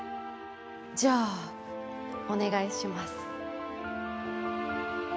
じゃあお願いします。